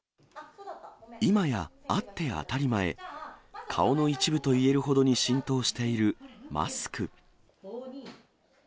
今やあって当たり前、顔の一部といえるほどに浸透しているマスク。